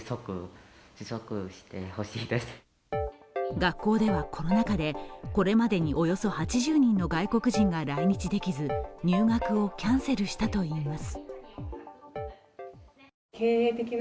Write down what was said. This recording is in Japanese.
学校ではコロナ禍でこれまでにおよそ８０人の外国人が入国できず入学をキャンセルしたといいます。